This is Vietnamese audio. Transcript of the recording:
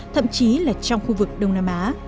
thậm chí là trong khu vực đông nam á